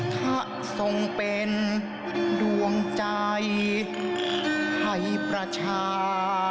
พระทรงเป็นดวงใจให้ประชา